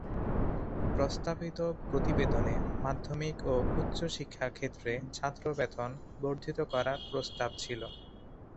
প্রস্তাবিত প্রতিবেদনে মাধ্যমিক ও উচ্চ শিক্ষা ক্ষেত্রে ছাত্র বেতন বর্ধিত করার প্রস্তাব ছিল।